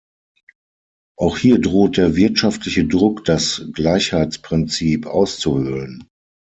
Auch hier droht der wirtschaftliche Druck das Gleichheitsprinzip auszuhöhlen.